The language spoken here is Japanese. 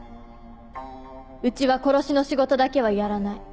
うちは殺しの仕事だけはやらない。